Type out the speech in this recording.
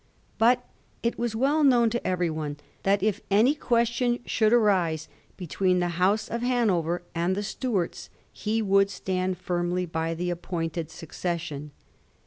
But it was well known to everyone that if any question should arise between the House of Hanover and the Stuarts, he would stand firmly by the appointed succession.